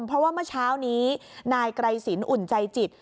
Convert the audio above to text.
เพราะว่าเมื่อเช้านี้นายไกรสินอุ่นใจจิต